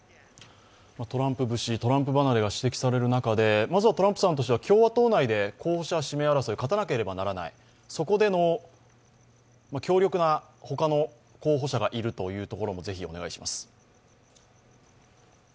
トランプ節、トランプ離れが指摘される中で、まずトランプさんとしては共和党内で候補者指名争いに勝たなければならない、そこでの強力な他の候補者がいるというというところもぜひお願いします。